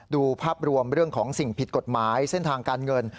ดูภาพรวมเรื่องของสิ่งผิดกฎหมายเส้นทางการเงิน